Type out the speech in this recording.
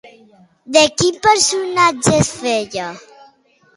De quin personatge hi feia?